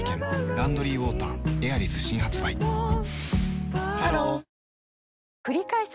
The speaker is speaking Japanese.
「ランドリーウォーターエアリス」新発売ハローくりかえす